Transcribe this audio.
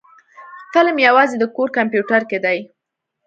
فلم يوازې د کور کمپيوټر کې دی.